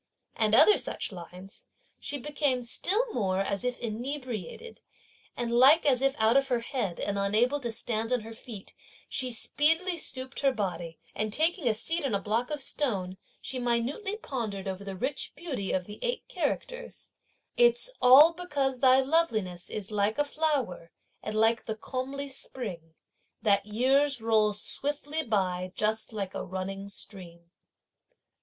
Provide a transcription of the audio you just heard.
and other such lines, she became still more as if inebriated, and like as if out of her head, and unable to stand on her feet, she speedily stooped her body, and, taking a seat on a block of stone, she minutely pondered over the rich beauty of the eight characters: It's all because thy loveliness is like a flower and like the comely spring, That years roll swiftly by just like a running stream.